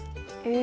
え。